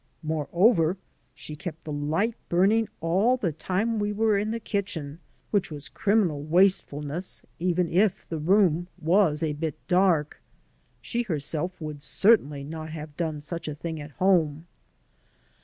Moreover, she kept the light burning all the time we were in the kitchen, which was criminal waste fulness even if the room was a bit dark. She herself would certainly not have done such a thing at home.